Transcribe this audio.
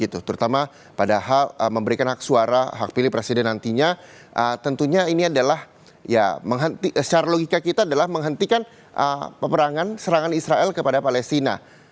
terutama padahal memberikan hak suara hak pilih presiden nantinya tentunya ini adalah secara logika kita adalah menghentikan peperangan serangan israel kepada palestina